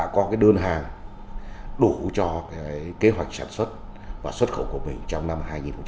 có đơn hàng đủ cho kế hoạch sản xuất và xuất khẩu của mình trong năm hai nghìn một mươi chín